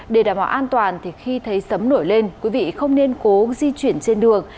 để đảm bảo an toàn thì khi thấy sớm nổi lên quý vị không nên cố di chuyển trên đường